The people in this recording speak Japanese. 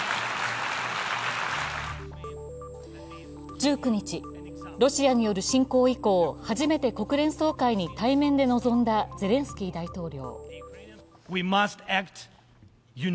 １９日、ロシアによる侵攻以降初めて国連総会に対面で臨んだゼレンスキー大統領。